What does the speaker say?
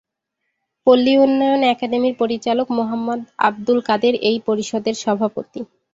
পল্লী উন্নয়ন একাডেমির পরিচালক মোহাম্মদ আব্দুল কাদের এই পরিষদের সভাপতি।